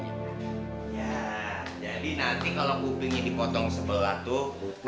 ya jadi nanti kalau bubi ini dipotong sebelah tuh